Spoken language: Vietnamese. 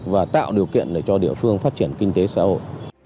và tạo điều kiện để cho địa phương phát triển kinh tế xã hội